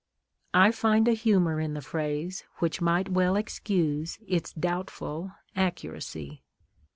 I find a humor in the phrase which might well excuse its doubtful accuracy.